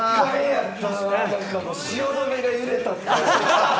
汐留が揺れたって感じ。